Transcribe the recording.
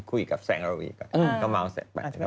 คุยกับแสงระวีก่อน